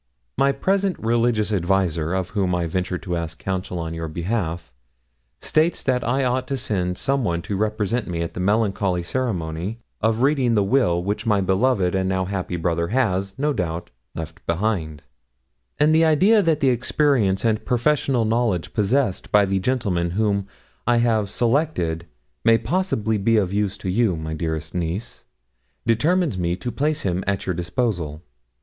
My present religious adviser of whom I ventured to ask counsel on your behalf states that I ought to send some one to represent me at the melancholy ceremony of reading the will which my beloved and now happy brother has, no doubt, left behind; and the idea that the experience and professional knowledge possessed by the gentleman whom I have selected may possibly be of use to you, my dearest niece, determines me to place him at your disposal.